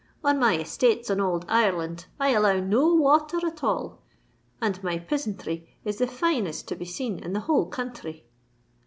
On my estates in ould Ireland I allow no water at all; and my pisanthry is the finest to be seen in the whole counthry."